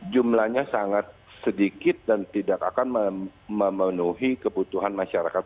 jumlahnya sangat sedikit dan tidak akan memenuhi kebutuhan masyarakat